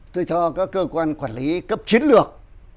tôi cho các cơ quan quản lý cấp chiến lược